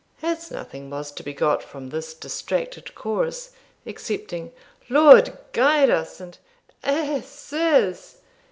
As nothing was to be got from this distracted chorus, excepting 'Lord guide us!' and 'Eh sirs!'